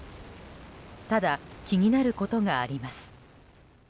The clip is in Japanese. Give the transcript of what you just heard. ただ、気になることがあります。